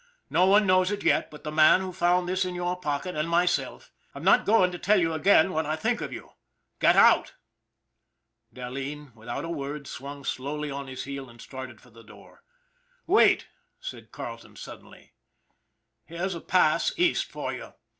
No one knows it yet but the man who found this in your pocket and myself. I'm not going to tell you again what I think of you get out! " Dahleen, without a word, swung slowly on his heel and started for the door. " Wait !" said Carleton suddenly. " Here's a pass East for you.